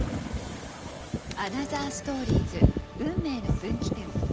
「アナザーストーリーズ運命の分岐点」。